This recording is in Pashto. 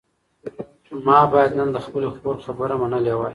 ما باید نن د خپلې خور خبره منلې وای.